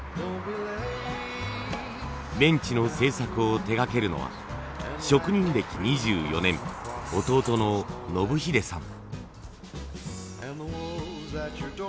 ベンチの製作を手がけるのは職人歴２４年弟の信英さん。